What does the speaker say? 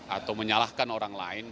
atau menyalahkan orang lain